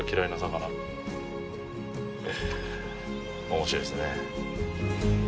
面白いですね。